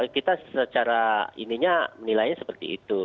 kita secara ininya menilainya seperti itu